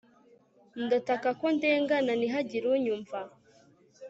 ndataka ko ndengana, ntihagire unyumva